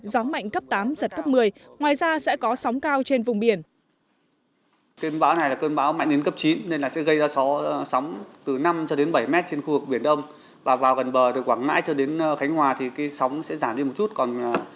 gió mạnh cấp tám giật cấp một mươi ngoài ra sẽ có sóng cao trên vùng biển